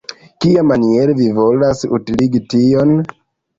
Kiamaniere vi volas utiligi tion?